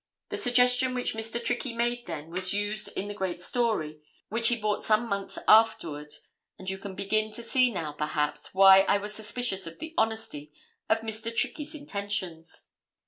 The suggestion which Mr. Trickey made then was used in the great story which he bought some months afterward, and you can begin to see now, perhaps, why I was suspicious of the honesty of Mr. Trickey's intentions.